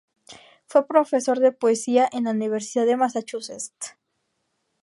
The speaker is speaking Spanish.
Fue profesor de poesía en la Universidad de Massachusetts.